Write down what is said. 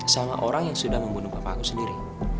sama orang yang sudah membunuh papa aku sendiri